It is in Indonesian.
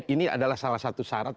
ini adalah salah satu syarat